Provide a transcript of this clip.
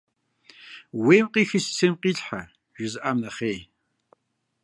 «Ууейм къихи сысейм къилъхьэ» - жызыӀам нэхъей.